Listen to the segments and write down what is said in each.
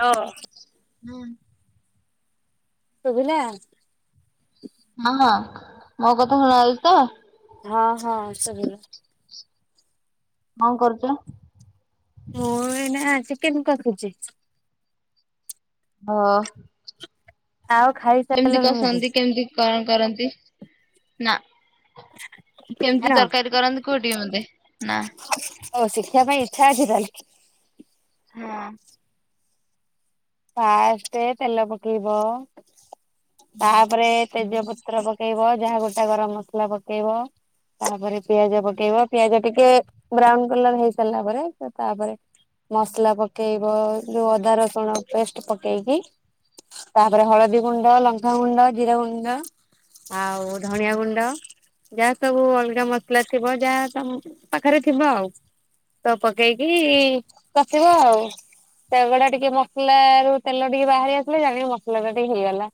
ହଁ। ହଁ। ଶୁଭିଲା? ହଁ ହଁ। ମୋ କଥା ଶୁଣା ଯାଉଛି ତ? ହଁ ହଁ ସୁବିଲା। କଣ କରୁଚ? ମୁଁ ଏଇନା ଚିକେନ କଷୁଛି। ହଁ। ଆଉ କେମିତି ଖାଇସାରିଲଣି ବୋଧେ କସନ୍ତି? କେମିତି କଣ କରନ୍ତି? ନା କେମିତି ନା ତରକାରୀ କରନ୍ତି କୁହ ଟିକେ ମତେ। ନା ହଉ ଶିଖିବା ପାଇଁ ଇଛା ଅଛି ତାହାଲେ। ହଁ। ଫାଷ୍ଟ ତେଲ ପକେଇବ, ତାପରେ ତେଜ ପତ୍ର ପକେଇ ପକେଇବ, ଯାହା ଗୋଟା ଗରମ ମସଲା ପକେଇବ, ତାପରେ ପିଆଜ ପକେଇବ, ପିଆଜ ଟିକେ ଟିକେ ବ୍ରାଉନ କଲର ହେଇ ସାରିଲା ପରେ, ତ ତାପରେ ମସଲା ପକେଇବ, ଯୋଉ ଅଦା ରସୁଣ ପେଷ୍ଟ ପକେଇକି ତାପରେ ହଳଦୀ ଗୁଣ୍ଡ, ଲଙ୍କା ଗୁଣ୍ଡ, ଜିରା ଗୁଣ୍ଡ ଆଉ ଧଣିଆ ଗୁଣ୍ଡ, ଯାହା ସବୁ ଅଲଗା ମସଲା ଥିବ ଯାହା ତମ ପାଖରେ ଥିବ ଆଉ। ତ ପକେଇକି କଷିବ ଆଉ। ପାଗଟା ଟିକେ ମ ମସଲା ରୁ ତେଲ ଟିକେ ବାହାରି ଆସିଲେ ଜାଣିବୁ ମସଲା ଟା ଟିକେ ହେଇଗଲା।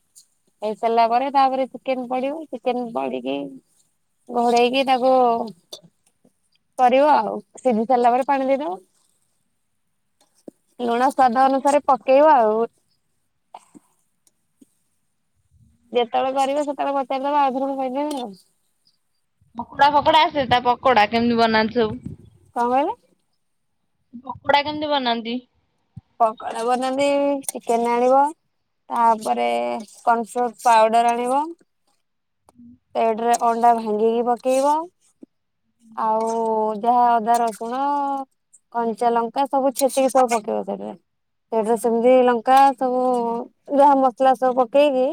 ହେଇ ସାରିଲା ପରେ ତାପରେ ଚିକେନ ପଡିବ। ଚିକେନ ପଡିକି ଘୋଡ଼େଇକି ତାକୁ କରିବ ଆଉ। ସିଝି ସାରିଲା ପରେ ପାଣି ଦେଇଦବ। ଲୁଣ ସ୍ଵାଦ ଅନୁସାରେ ପକେଇବ ଆଉ। ଯେତବେଳେ ପାରିବ ସେତବେଳେ ପଚାରିଦବ ଆଉଥରେ ମୁଁ କହିବେବି ନି। ପକୋଡା ଫକୋଡା ଆସେ? ତା ପକୋଡା କେମିତି ବନାନ୍ତି ସବୁ? କଣ କହିଲେ? ପକୋଡା କେମିତି ବନାନ୍ତି? ପକୋଡା ବନାନ୍ତି, ଚିକେନ ଆଣିବ ତାପରେ କନଫ୍ଲୋର ପାଉଡର ଆଣିବ, ହୁଁ। ଏଡରେ ଅଣ୍ଡା ଭାଙ୍ଗିକି ପକେଇବ। ଆଉ ଯାହା ଅଦାର ରସୁଣ କଞ୍ଚା ଲଙ୍କା ସବୁ ଛେଚିକି ସବୁ ପକେଇବ ସେଠରେ ସେଠରେ ସେମିତି ଲଙ୍କା ସବୁ ଯାହା ମସଲା ସବୁ ପକେଇକି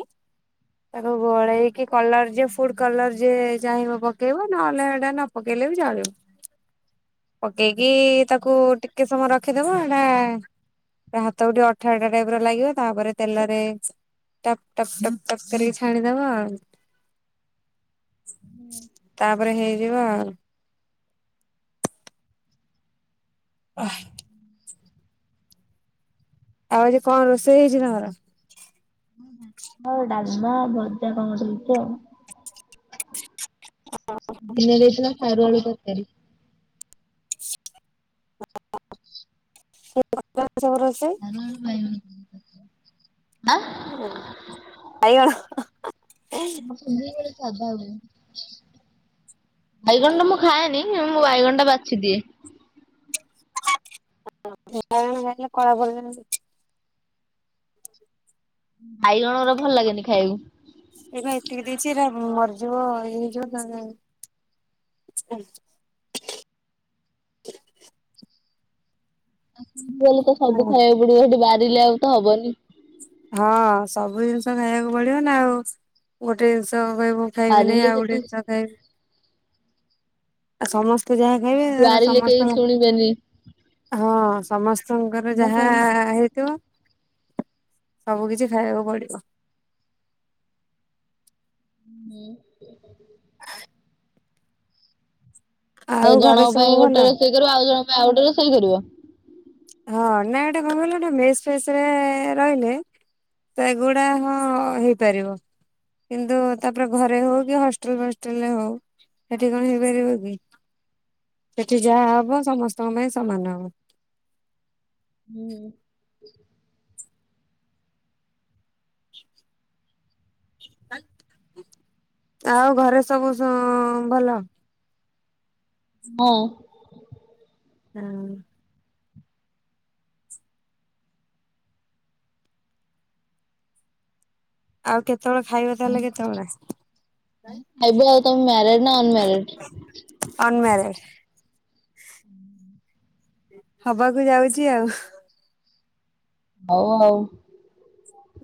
ତାକୁ ଗୋଳେଇକି କଲର ଯଏ ଫୁଡ କଲର ଯିଏ ଚାହିଁବ ପକେଇବ ନହେଲେ ଏଟା ନ ପକେଇଲେ ବି ଚଳିବ। ପକେଇକି ତାକୁ ଟିକେ ସମୟ ରଖିଦବ ଏଟା ଏଟା ହାତ କୁ ଟିକେ ଅଠା ଅଠା ଟାଇପ ର ଲାଗିବ ତାପରେ ତେଲରେ ଟପ୍ ଟପ୍ ଟପ୍ ଟପ୍ କରିକି ଛାଣିଦବ ଆଉ। ତାପରେ ହେଇଯିବ ଆଉ। ଅ [inaudible] ଆଉ ଆଜି କଣ ରୋଷେଇ ହେଇଛି ତମର? ଡାଲମା ଭଜା କଣ ଗୋଟେ ହାଇଥିବ। ଦିନରେ ହେଇଥିଲା ସରୁଆଳ ତରକାରୀ। ବର [inaudible] ହ ଭାଇ ଆଁ ହୁଁ ଆଇଗଣ [inaudible] ସବୁ ବେଳେ ସାଧା ହୁଏ। ବାଇଗଣଟା ମୁଁ ଖାଏନି ମୁଁ ବାଇଗଣଟା ବାଛିଦିଏ। ବାଇଗଣ ଖାଇଲେ କଳା ପଡ଼ିଯିବ। ଭାଇଗଣ ରା ଭଲ ଲାଗେନି ଖାଇବାକୁ। ଏବେ ଏତିକି ଦେଇଛି ଏରା ମରିଯିବ ଇଏ ହେଇଯିବ। ସେଠି ଗଲେ ତ ସବୁ ଖାଇବାକୁ ପଡିବ ସେଠି ବାହାରିଲେ ଆଉ ତ ହବନି। ହଁ ସବୁ ଜିନିଷ ଖାଇବାକୁ ପଡିବ ନା ଆଉ ଗୋଟେ ଜିନିଷ ଖାଇବ। ଖାଇବେନେଇ ବାରିଲେ ଆଉ ସେଠି ଟେ ଜନିଷ ଖାଇବି। ଆ ସମସ୍ତେ ଯାହା ଖାଇବେ ତାର ବାରିଲେ କେହି ସମସ୍ତେ ଭଲ। ଶୁଣିବେନି ହଁ ସମସ୍ତଙ୍କର ଯାହା ସମସ୍ତଙ୍କୁ ହେଇଥିବ। ସବୁ କିଛି ଖାଇବାକୁ ପଡିବ। ହ ହୁଁ। [inaudible] ଆଉ ଜଣଙ୍କ ଘରେ ସବୁ ପାଇଁ ଭଲ ଗୋଟେ ରୋଷେଇ କରିବ ଆଉ ଜଣଙ୍କ ପାଇଁ ଆଉ ଗୋଟେ ରୋଷେଇ କରିବ। ହଁ ନା ଏଟା କଣ କହିଲ ନା ମେସ୍ ଫେସରେ ରହିଲେ ତେଗୁଡାକ ହଁ ହେଇପାରିବ। କିନ୍ତୁ ତାପରେ ଘରେ ହଉ କି ହଷ୍ଟେଲ ଫଷ୍ଟେଲରେ ହଉ। ସେଠି କଣ ହେଇପାରିବ କି ସେଠି ଯାହା ହବ ସମସ୍ତଙ୍କ ପାଇଁ ସମାନ ହବ। ହୁଁ। ହ [inaudible] ଆଉ ଘରେ ସବୁ ସୁ ଭଲ। ହଁ। ହଁ। ଆଉ କେତେବେଳେ ଖାଇବା ତାହେଲେ କେତେବେଳେ? ଖାଇବୁ ଆଉ ତମେ ମ୍ୟାରେଡ ନା ଅନମ୍ୟାରେଡ? ଅନମ୍ୟାରେଡ। ହବାକୁ ଯାଉଛି ଆଉ। ହଉ ଆଉ।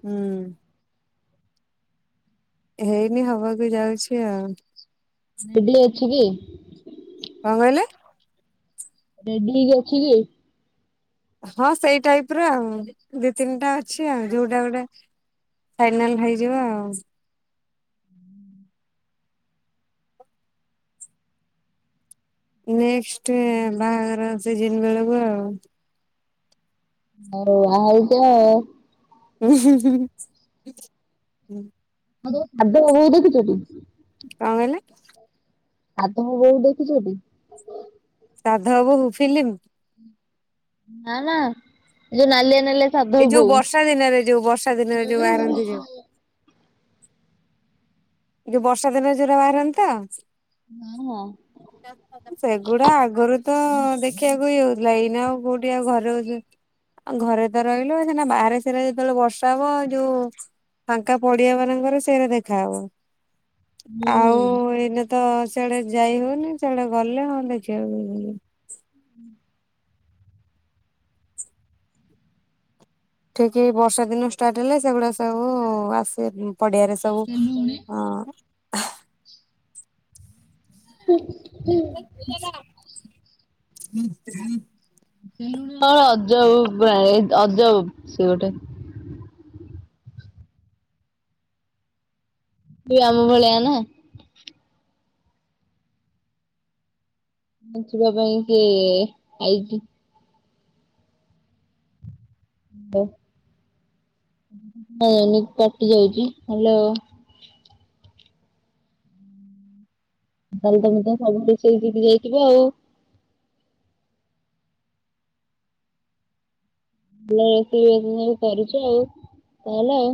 ହୁଁ। ହେଇନି ହବାକୁ ଯାଉଛି ଆଉ। ନେଗ୍ଲେ ଅଛି କି? କ କହିଲେ? ରେଡି ହେଇକି ଅଛି କି? ହଁ ସେଇ ଟାଇପର ଆଉ ଦି ତିନିଟା ଅଛି ଆଉ ଯୋଉଟା ଗୋଟେ ଫାଇନାଲ ହେଇଯିବ ଆଉ। ନେକ୍ସଟ ବାହାଘର ସିଜିନି ବେଳକୁ ଆଉ। ଆ ଆ ହେଉଛ [unintelligible] ଉଁ ହୁଁ ହୁଁ ହୁଁ। ହଁ ତ ଖା୍ୟ ହଉ ଦେଖିଛ [unintelligible] କ କହିଲେ? ସାଧବ ବୋହୁ ଦେଖିଛ ଟି? ସାଧବବୋହୂ ଫିଲ୍ମି? ନା ନା ଏ ଯୋଉ ନାଲିଆ ନାଲିଆ ସାଧବ ଏଇ ଯୋଉ ବୋହୂ। ବର୍ଷା ଦିନରେ ଯୋଉ ବର୍ଷା ଦିନରେ ଯୋଉ ହୁଁ ହୁଁ ହୁଁ। ବାହାରନ୍ତି ଯୋଉ ଏଇ ଯଉ ବର୍ଷା ଦିନରେ ଜୋରୋ ବାହାରନ୍ତି ତ? ହଁ ହଁ। ସେଗୁଡା ଆଗରୁ ତ ଦେ ଦେଖିବାକୁ ଇଏ ହଉଥିଲା ଏଇନା ଆଉ କୋଉଠି ଆଉ ଘରେ ଆ ଘରେ ତ ରହିଲୁ ସେନା ବାହାରେ ସେରା ଯେତେବେଳେ ବର୍ଷା ହବ ଯୋଉ ଫାଙ୍କା ପଡିଆ ମାନଙ୍କର ସେରେ ଦେଖାହବ। ଆଉ ହୁଁ। ଏଇନେ ତ ସିଆଡେ ଯାଇ ହଉନି ସେଆଡେ ଗଲେ ହ ଦେଖିବାକୁ ହୁଁ। ଠିକ ବର୍ଷା ଦିନ ଷ୍ଟାର୍ଟ ହେଲେ ସେଗୁଡା ସବୁ ଆସିବେ ପଡିଆରେ ସବୁ ହ ହଁ ହୁଁ [inaudible] ହୁଁଁ [inaudible] [unintelligible] ଅଜବ ଅଜବ ସେ ଗୋଟେ ବି ଆମ ଭଳିଆ ନା। ବଞ୍ଚିବା ପାଇଁ ସିଏ ଆଇଚି। ହାଲୋ ଏମିତି କଟି ଯାଉଛି ହାଲୋ। ତାହେଲେ ତମେ ତ ସବୁ କିଛି ଜିତି ଯାଇଥିବ ଆଉ। ଭଲ ରୋଷେଇ ବାସ ସବୁ କରୁଛୁ ଆଉ ତାହେଲେ ଆଉ